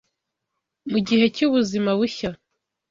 Mu gihe cy’ubuzima bushya,